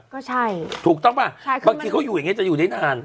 ก็ใช่ถูกต้องป่ะใช่ค่ะบางทีเขาอยู่อย่างนี้จะอยู่ได้นาน